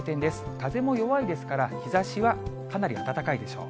風も弱いですから、日ざしはかなり暖かいでしょう。